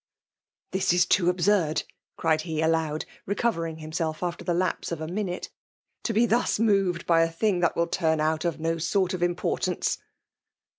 «* This is too absurd !" cried he aloud ; re* covering himself after the lapse of a minute. To be thus moved by a thing that will turn out of no sort of importance